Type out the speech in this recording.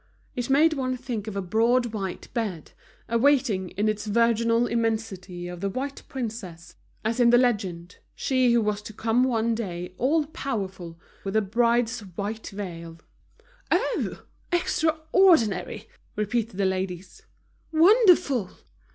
It made one think of a broad white bed, awaiting in its virginal immensity the white princess, as in the legend, she who was to come one day, all powerful, with the bride's white veil. "Oh! extraordinary!" repeated the ladies. "Wonderful!"